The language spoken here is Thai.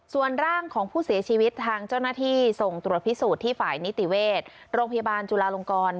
ส่วนร่างของผู้เสียชีวิตทางเจ้าหน้าที่ส่งตรวจพิสูจน์ที่ฝ่ายนิติเวชโรงพยาบาลจุลาลงกร